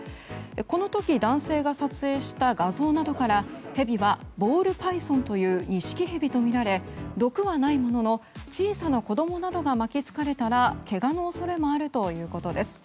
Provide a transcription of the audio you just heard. この時、男性が撮影した画像などからヘビはボールパイソンというニシキヘビとみられ毒はないものの小さな子供などが巻きつかれたらけがの恐れもあるということです。